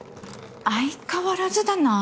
相変わらずだな。